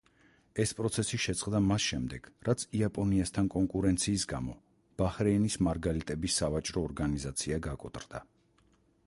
ეს პროცესი შეწყდა მას შემდეგ, რაც იაპონიასთან კონკურენციის გამო ბაჰრეინის მარგალიტების სავაჭრო ორგანიზაცია გაკოტრდა.